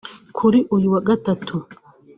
Kuri uyu wa Gatatu